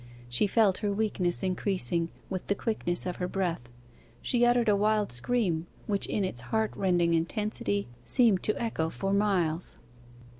She felt her weakness increasing with the quickness of her breath; she uttered a wild scream, which in its heartrending intensity seemed to echo for miles.